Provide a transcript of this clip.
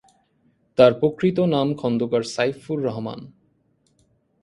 তার প্রকৃত নাম খন্দকার সাইফুর রহমান।